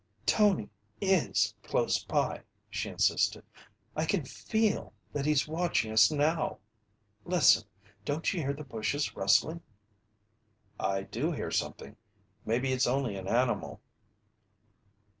"Tony is close by!" she insisted. "I can feel that he's watching us now! Listen! Don't you hear the bushes rustling?" "I do hear something. Maybe it's only an animal."